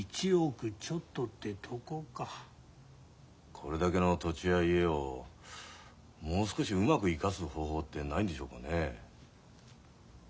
これだけの土地や家をもう少しうまく生かす方法ってないんでしょうかね。